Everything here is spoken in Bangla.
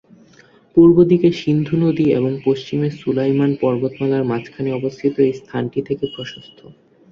পূর্বদিকে সিন্ধু নদী এবং পশ্চিমে সুলাইমান পর্বতমালার মাঝখানে অবস্থিত এই স্থানটি থেকে প্রশস্ত।